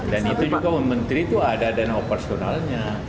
dan itu juga menteri itu ada dana operasionalnya